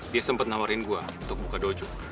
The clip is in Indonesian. dia sempat nawarin gue untuk buka dojo